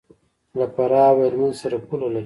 له فراه او هلمند سره پوله لري.